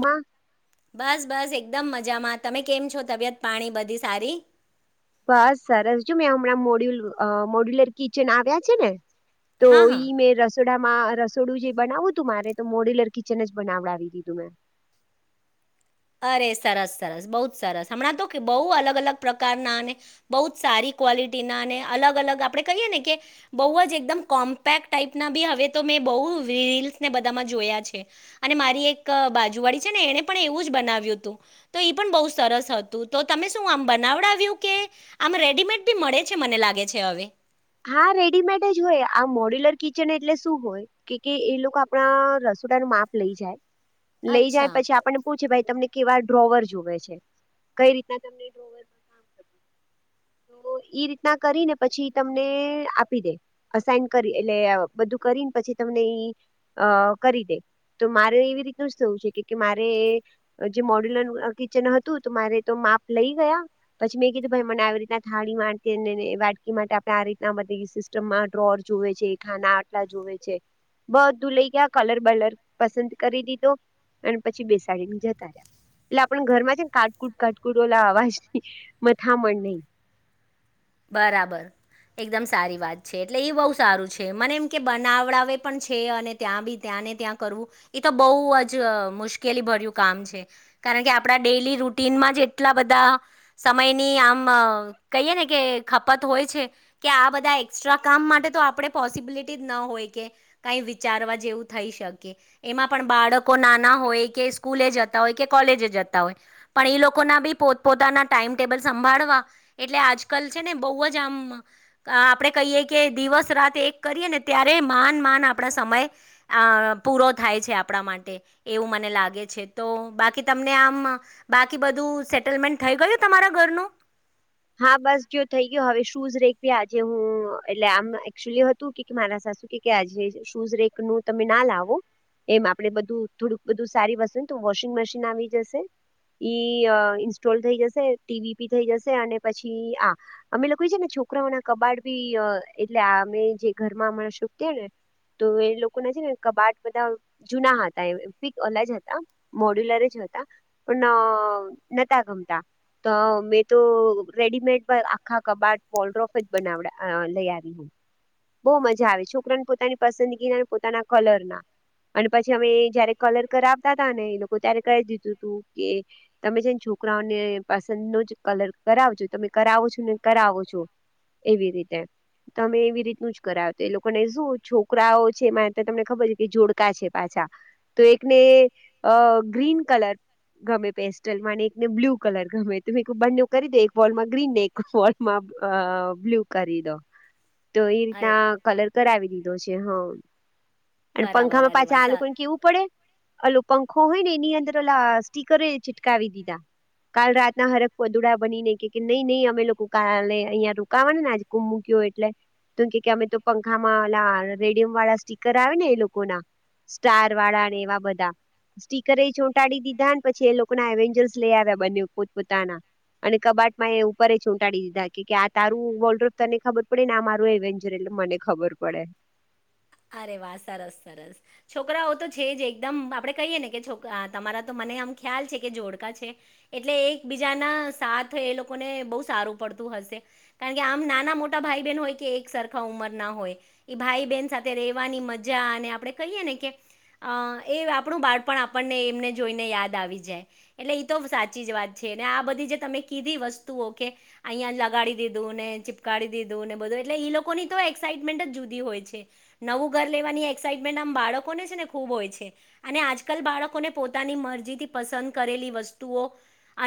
માં બસ બસ એક એકદમ મજામાં તમે કેમ છો તબિયત પાણી બધી સારી બસ સરસ જો મેં હમણાં મોડ્યુલ મોડ્યુલર કિચન આવ્યા છે ને તો હા હા ઈ મે રસ રસોડામાં રસોડું જે બનાવું તું મારે તો મોડ્યુલર કિચન જ બનાવડાવી દી તું મેં [inaudible] અરે સરસ સરસ બહુ જ સરસ હમણાં તો બઉુ અલગ અલગ પ્રકારના અને બહુ જ સારી કવાલીટી ના અને અલગ અલગ આપણે કહી ને કે બવજ એકમ કોમ્પેક્ટ ટાઈપના બી હવે તો બવ રીસને બધામાં જોયા છે અને મારી એક બાજુવાળી છે ને એને પણ એવું બનાવ્યું હતું તો એ પણ બહુ સરસ હતું તો તમે શું આમ બનાવડાવ્યું કે આમ રેડી મળે છે મને લાગે છે હવે હા રેડીમેડ જ હોય આ મોડ્યુલર કિચન એટલે શું હોય કે એ લોકો આપણા ર નું માપ લઈ જાય લઈ જાય અચ્છા પછી આપને પૂછે ભ તમને કેવા ડ્રોવર જોુવે છે કઈ રીતના તમને ડ્રોવર [unintelligible] ઈ રીતના કરી ને પછી તમને આપી દે અસાઇન કરી એટલે બધું કરીને પછી તમને ઈ અ કરી દે તો મારે એવી રીતનું જ થવું છે કે મારે જે મોડ્યુલરનું કિચન હતું તો મારે તો માપ લઈ ગયા પછી મેં કીધું ભાઈ મને આવી રીતે થાળી વાટકી માટે આપડે આ રીતના બધ સિસ્ટમમાં ડોર જોએ છે ખાના આટલા જોવે છે બધું લઈ ગયા કલર બલર પસંદ કરી દીધો અને પછી બેસાડીને જતા રહ્યા એટલે આપ ઘર માં છે ને કાટકુટ કાટકુટ ઓ અવાજ મથામણ નહી બરાબર એકદમ સારી વાત છે એટલે એ બહુ સારું છે મને એમ કે બનાવડાવે પણ છે અને ત્યાં બી ત્યાં અને ત્યાં કરવુ એ તો બ જ મુશ્કેલી ભર્યું કામ છે કારણ કે આપણા ડેલી રૂ ટીનમાં જ એટલા બધા સમયની આમ કહીએ ને કે ખપત હોય છે કે આ બધા એસ્ટ્રા કામ માટે તો આપણે પોસિબિલિટી જ ના હોય કે ક વિચારવા જેવું થઈ શકે એમાં પણ બાળકો નાના હોય કે સ્કૂલે જતા હોય કે કોલેજ જતા હોય પણ એ લોકોના બી પોત પોતાના ટાઈમ ટેબલ સંભાળવા એટલે આજલ ને બ જ આમ આપડે કહીએ કે દિવસ રાત એક કરીએ ને ત્યારે માન માન આપ સમય પૂરો થાય છે આપણા માટે એવું મને લાગે છે તો બાકી તમને આમ બાકી બધું સેટલમેન્ટ થઈ ગયું તમારા ઘરનું હા બસ જો થઈ ગયો હવે શું રે આજે હું એટલે આમ એક્ચ્યુઅલી હતું કે મારા સાથે કે આજે શૂઝ રેક નું તમે ના લાવો એમ આપડે બધું થોડુંક બધું સારી વસ્તુને તો વોશિંગ મશીન આવી જશે ઈ ઇન્સ્ટોલ થઈ જશે ટીવી પી થઈ જશે અને પછી આ અમે લોકો છે ને છોકરાઓ ના કબાડ બી એટલે અમે જે ઘરમાં હણાં ચૂકે ને તો એ લોકો ના છે ને કબાટ બધા જૂના હતા એ પી અલજ હતા મોડ્યુલર જ પણ ન નતા ગમતા તો મેં તો. રેડીમેડ પર આખા કબાટ પોલ્રોફ જ બનાવ લઈ આવી હું બહુ મજા આવે છોકરાને પોતાની પસંદગીના પોતાના કલર ના અને પછી અમે જયારે કલર કરાવતા હતાા ને એ લોકો ત્યારે કહી દીધું તું કે તમે જેમ છો છોકરાઓને પસંદ નો જ કલર કરાવજો તમે કરાવો છો ને કરાવો છો એવી રીતે તમે એવી રીતનું જ કરાવ તો એ લોકોને શું છોકરાઓ છે મારે તમને ખબર છે કે જોડકા છે પાછા અછા તો એકને અ ગ્રીન કલર ગમે પેસ્ટલ ને એકને બ્લુ કલર ગમે ત એક બંને કરી દો વોલમાં ગ્રીન ને એક વોલમાં બ્લુ કરી દો તો એ અરે રીતના કલર કરાવી દીધો છે હ અને બરાબર પંખામાં અરે વા પાછા આ સા લોકોુને કેવું પડે અં હોય ને એની અંદર ઓ સ્ટીકરે છિટકાવી દીધા કાલ રાતના હરખ પડુડા બનીને કે કે નહી નહી અમે લોકો કાલે અહિયાં રોકાવા ને આજ કુંભ મૂક્યો એટલે તોમ કે અમે તો પંખામાં રેડિયમ વાળા સ્ટીકર આવે ને એ લોકો ના સ્ટાર વાળા ને એવા બધા સ્ટીકરે એ ચોંટાડી દીધા પછી એ લોકો ના એવેન્જર્સ લઈ આવ્યા બન્ને પોત પોતાના અને કબાટ મેં એ ઉપર ચૂંટાડી દીધા કે કે આ તારું વોર્ડ્રોબ તને ખબર પડે ને આ માંરું એડવેન્ચર એટલે મને ખબર પડ પડે અરે વાહ સરસ સરસ છોકરાઓ તો છે જ એકદમ આપણે કહીયએ ને કે છોકરા તમારા તો મને મ ખ્યાલ છે કે જોડકા છે એટલે એક બીજા ના સાથ એ લોકોને બહ સારું પડતું હસે કારણ કે આમ નાના મોટા ભાઈ બહેન હોય કે એક સરખા ઉંમર ના હોય એ ભાઈ બહેન સાથે રેવાની મજા અને આપડણે કહીએ ને કે અ એ આપણું બાળપણ આપણને એમને જોઈને યાદ આવી જાય એટલે ઇતો સાચી જ વાત છે ને આ બધી જે તમે કીધી વસ્તુઓ કે અહિયાં લગાડી દીધું ને ચીપકારી દીધુંને બધું એટલે ઇ લોકોની તો એક્સાઈટમેન્ટ જ જુદી હોય છે નવું ઘર લેવાની એક્સાઈટમેન્ટ આમ બાળકોને છે ને ખૂબ હોય છે અને આજકાલ બાળકોને પોતાની મ રજી થી પસંદ કરેલી વસ્તુઓ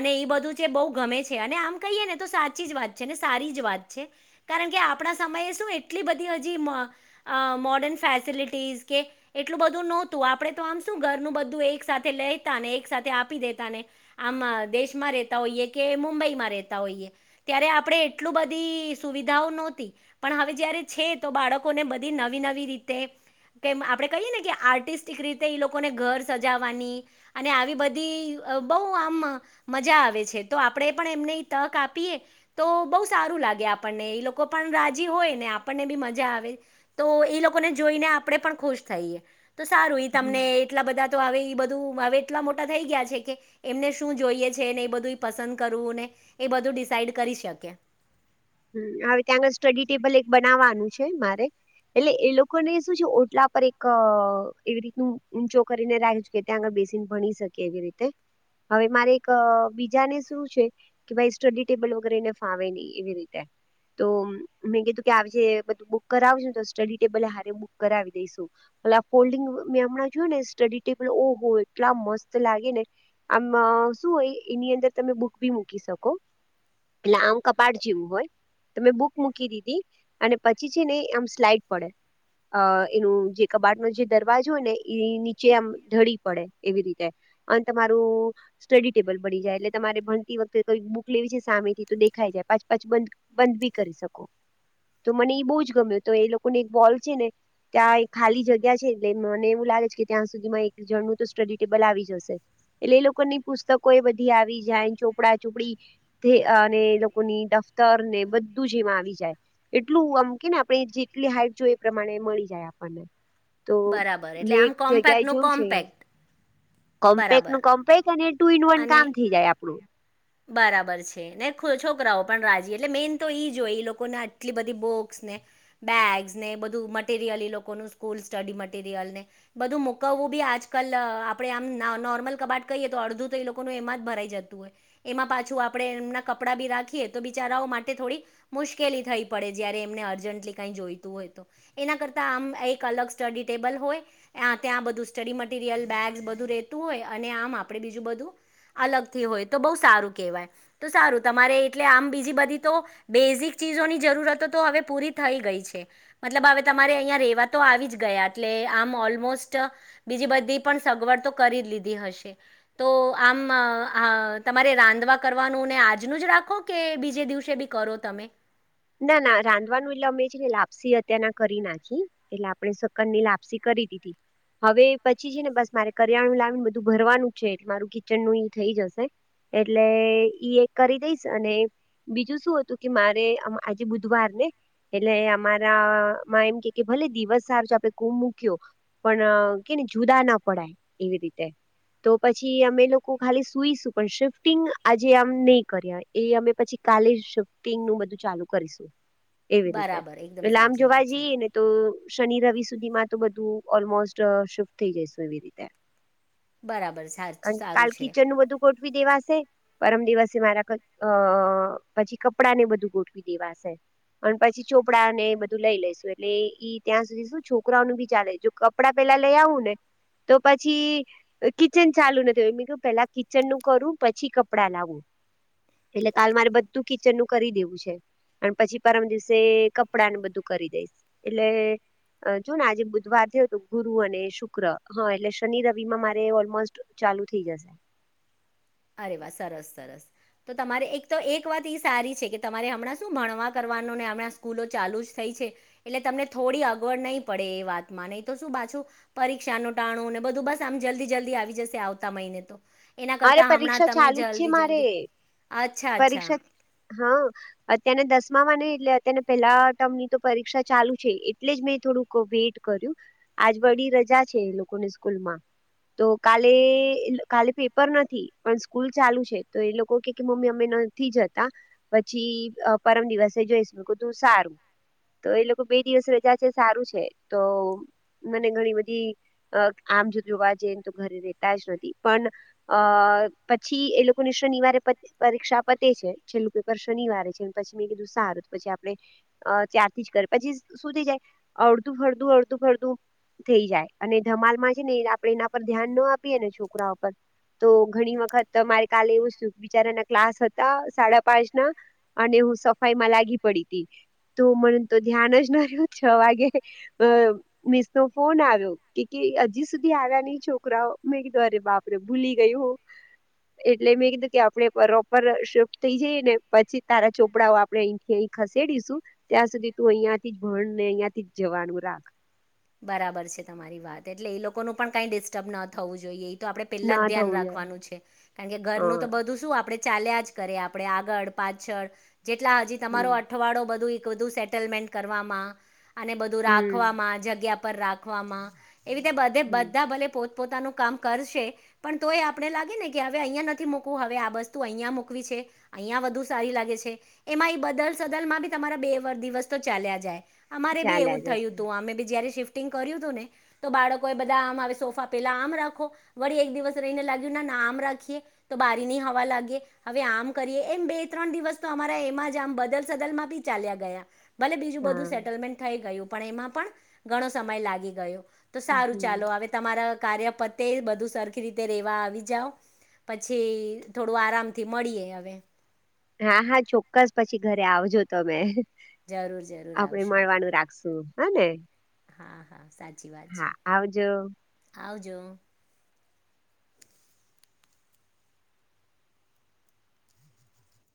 એને એ બધું છે બોઉ ગમે છે અને આમ કહીએ ને તો સાચી વાત છે ને સારી જ વાત છે કારણ કે આપણા સમયે શું એટલી બધી હજી અ મોર્ડર્ન ફેસિલિટીઝ કે એટલું બધું નહોતું આપણે તો આમ શું ઘરનું બધું એક સાથે લે તા ને એક સાથે આપી દેતા ને આમ દેશમાં રહેેતા હોઈએ કે મુંબઈમાં રહેેતા હોઈએ ત્યારે આપણે એટલું બધી સુવિધાઓ નહોતી પણ હવે જયારે છે તો બાળકોને નવી નવી રીતે કે આપડણે કહીએ ને કે આર્ટિસ્ટિક રીતે લોકોને ઘર સજાવાની અને આવી બધી બહ આમ મજા આવે છે તો આપણેે પણ એમને તક આપી તો બહુ સારું લાગે આપણને એ લોકો પણ રાજી હોય ને આપણને બી મજા આવે તો એ લોકોને જોઈને આપણે પણ ખુશ થઈએ તો સારું ઇ તમને એટલા બધા તો આવે બધું હવે એટલા મોટા થઈ ગયા છે કે એમને શું જોઈએ છે એ બધું પસંદ કરવું ને એ બધું ડિસાઈડ કરી શકે હ હવે ત્યાં આગળ સ્ટડી ટેબલ એક બનાવવાનું છે મારે એટલે એ લોકોને શું છે ઓટલા પર એક એવી રીતનું ઊંચો કરીને રાખ છે કે ત્યાં આગળ ભણી શકે એવી રીતે હવે મારે એક બીજાને શું છે કે ભાઈ સ્ટડી ટેબલ વગર એને ફાવે નહી એવી રીતે ક્યા [unintelligible] તો મેં કીધું કે આ જે બધું બુક કરાવ છે ને તો સ્ટડી ટેબલે હ બુક કરાવી દઈશું ફોલ્ડંગ મેં હમણાં જોયું ને સ્ટડી ટેબલ ઓ હો એટલા મસ્ત લાગે ને આમ શું હોય એની અંદર તમે બુક ભી મૂકી શકો આમ કપાટ જેવું હોય તમેં બુક મૂકી દીધી અને પછી છે ને આમ સ્લાઈડ પડે અ એનું જે કબાટ ન જે દરવાજો હોય ને એ નીચે આમ ઢળી પડે એવી રીતે અને તમારું સ્ટડી ટેબલ ભની જાય એટલે તમારે ભણતી વખતેઈ બુક લેવી છે સામેથી તો દેખાય પાંચ પાંચ બ બંધ બી કરી શકો તો મને એ બહુ જ ગમ્યું તો એ લોકો ને એક બોલ છે ને ત્યાં ખાલી જગ્યા છે એટલે મને એવું લાગે છે કે ત્યાં સુધીમાં એક જણનું તો સ્ટડી ટેબલ આવી જશે એટલે એ લોકોની પુસ્તકો એ બધી આવી જાય ચોપડા ચોપડી અને એ લોકોની તર ને બધું જ એમાં આવી જાય એટલું આમ કે ને આપણે જેટલી હાઈટ જોઈ એ પ્રમાણે મળી જાય આપ બને તો બરાબર એટલે મેં એક આમ જગ્યાએ કોમ્પેક્ટનું જોયું છે અહં કોમ્પેક્ટ કોમ્પેક બરાબર નું કોમ્પેક અને ટુ ઇન વન અને કામ થઈ જાય આપડું બરાબર છે ને છોકરાઓ પણ રાજી એટલે મેન તો ઈ જોય લોકોને આટલી બધી બુક્સ બેગ્સ ને એ બધુ મટેરીઅલ એ લોકોનું સ્કૂલ સ્ટડી મટીરિયલ ને બધું મુકવું બી આજકાલ આપડે આમ નોર્મલ કબાટ કરીએ તો અડધું તો એ લોકોનું એમાં જ ભરાઈ જતું હોય એમાં પાછું આપણે એમના કપડાં બી રાખીએ તો બિચારાઓ માટે થોડી મુશ્કેલી થઈ પડે જ્યારે એમને અર્જન્ટલી કઇ જોઈતું હોય તો એના કરતા આમ એક અલગ સ્ટડી ટેબલ હોય આ ત્યા બધુ સ્ટડી મટેરીઅલ બેગ્સ બધું રે તું હોય અને આમ આપડે બીજું બધું અલગથી હોય તો બોવ સારું કહેવાય તો સારું તમારે એટલે આમ બીજી બધી તો બેઝિક ચીજોની જરૂરતો તો હવે પૂરી થઈ ગઈ છે મતલબ હવે તમારે અહીંયા રેવા તો આવી જ ગયા એટલે આમ ઓલમોસ્ટ બીજી બધી પણ સગવડ તો કરી લીધી હશે તો આમ આ તમારે રાંધવા કરવાનુંને આજનું જ રાખો કે બીજે દિવસે બી કરો તમે ના ના રાંધવાનું એટલે અમે છે ને લાપસી અત્યારના કરી નાખી એટલે આપડે સકન ની લાપસી ક રી તીથી હવે પછી છે ને બસ મારે કરિયાણું લાવીને બધું ભરવાનું છે એટલે મારું કિચનનું થઈ જશે એટલે ઈ એક કરી દઈશ અને બીજું શું હતું કે મારે આમા આજે બુધવાર ને એટલે અમારામાં એમ કે ભલે દિવસ સારજ આપડે કો મૂક્યો પણ કેને જુદા ના પડાય એવી રીતે તો પછી અમે લોકો ખાલી સુઈ શું પણ શિફ્ટિંગ આજે આમ નહી કર્યા એ અમે પછી કાલે શોિંગ નું બધું ચાલુ કરીશું એવી રીતે બરાબર એકદમ એટલે આમ સાચી જોવા વાત છે જઈએ ને તો શનિ રવિ સુધીમાં તો બધું ઓલમોસ્ટ શિફ્ટ થઈ જઈશું એવી રીતે બરાબર સારું છે વી દેવાસે પરમ દિવસે મારા અ પછી કપડા ને બધું ગોઠ દેવા અને પછી ચોપડા ને બધું લઈ લઈસું એટલે ઈ ત્યાં સુધી શું છોકરાઓ ને બી ચાલે જો કપડા પેલા લઈ આવું ને તો પછી કિચન ચાલુ ની થયું મેં કેમ પેલા કિચન નું કરું પછી કપડા લાવું એટલે કાલ મારે બધું કિચન નું કરી દેવું છે અન પછી પરમ દિવસે કપડા ને બધું કરી દઈશ એટલે જો ને આજે બુધવાર થયો તો ગુરુ અને શુક્ર હા એટલે શનિ રવિ માં મારે ઓલમોસ્ટ ચાલુ થઈ જશે અરે વા સરસ સરસ તો તમારે એક તો એક વાત ઈ સારી છે કે તમારે હમણાં શું ભણવા કરવાનું ને હમણાં સ્કૂલો ચાલુ જ થઈ છે એટલે તમને થોડી અગવડ નહીં પડે એ વાતમાં નહી તો શું પાછું પરીક્ષા ન ટાણું ને બ ધુ બસ આમ જલ્દી જલ્દી આવી જશે આવતા મહિને તો અરે તા હમણાં પરીક્ષા તમે ચાલુ જ છે જલ્દી મારે જલ્દી અચ્છા અચ્છા પરીક્ષા હા અત્યાને દસ મ હોય ન એટલે અત્યારની પહેલા ટર્મ ની તો પરીક્ષા ચાલુ છે એટલે જ મેં થોડુંક વેટ કર્યું આજ વડી રજા છે લોકોની સ્કૂલ માં તો કાલે કાલે પેપર નથી પણ સ્કૂલ ચાલુ છે તો એ લોકો કે મમ્મી અમે જતા પછી પરમ દિવસે જોઈ શકો તો સારું તો એ લોકો બે દિવસ રજા છે સારું છે તો મને ઘણી બધી આમ જો જોવા જઈ એને તો ઘરે રેતા જ નથી પણ અ પછી એ લોકોને શનિવારે પતી પરીક્ષા પતે છે છેલ્લું પેપર શનિવારે છે પછી મેં દુસ્સાહાર પછી આપડે ત્યાંથી જ તલ પછી શું થઈ જાય અડધું ફરદું અડધું ફરદું થઈ જાય અને ધમાલ માં છે ને આપે એના પર ધ્યાન ન આપીએ ને છોકરા પર તો ઘણી વખત તમારે કાલ એવું બિચારી ને ક્લાસ હતા સાડા પાંચ ના અને હું સફાઈ માં લાગી પડી તી તો મને તો ધ્યાન જ ના રહ્યું છ વાગે મિસ નો ફોન આવ્યો કે હજી સુધી આ કરા મેં કીધું અરે બાપરે ભૂલી ગયું એટલે મેં કીધું કે આપડે પર પર સીફ્ટ થઈ જઈએ ને પછી તારા ચોપડાઓ આપડે અહીંથી ખસેડીશું ત્યાં સુધી તું અહીંયા યાથી ભણ ને અહિયાંથી જવાનું રાખ બરાબર છે તમારી વાત એટલે એ લોકોનું પણ કઈ ડિસ્ટર્બ ન થવું જોઈએ તો આપડે પેલા જ ના ધ્યાન થવું જોઈએ રાખવાનું છે કારણ કે ઘરનું તો હા બધું શું આપડે ચાલ્યા જ કરે આપડે આગળ પાછળ જેટલા હજી હમ તમારો અઠવાડો બધું બધું સેટલમેન્ટ કરવામાં અને બધું હમ રાખવામાં જગ્યા પર રાખવામાં એવી રીતે બધે હમ બધા ભલે પોતે પોતાનું કામ કરશે પણ તો એ આપણે લાગે ને કે હવે અહીં નથી મૂકવું હવે આ વસ્તુ અહિયાયા મૂકવી છે અહિયાં વધુ સારી લાગે છે એમાં એ બદલ સદલ માં બી તમારા બે વાર દિવસ તો ચાલ્યા જાય અમારે બી ચાલ્યા એવું થયું જશે હતું અમે બી જયારે શફિંગ કર્યું હતું ને તો બાળકો એ બધા આમ આવે સોફા પેલા આમ રાખો વળી એક દિવસ રહીને લાગ્યું નામ રાખીએ તો બારી ની હવા લાગીએ હવે આમ કરીએ એમ બે ત્રણ દિવસ તો અમારા એમાં જ બદલ સદલ માં બી ચાલ્યા ગયા ભલે બીજું હા બધું સેટલમેન્ટ થઈ ગયું પણ એમાં પણ ઘણો સમય લાગી ગયો તો સારું હમ ચાલો અવે તમારા કાર્ય પતે બધું સરખી રીતે રેવા આવી જાવ પછી થોડું આરામથી મળીએ અવે હા હા ચોક્કસ પછી ઘરે આવજો તમે જરૂર જરૂર આપડે આવશું મળવાનું રાખશું હ ને હા હા સાચી વાત છે હા આવજો આવ જો